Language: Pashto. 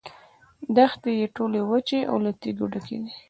دښتې یې ټولې وچې او له تیږو ډکې دي.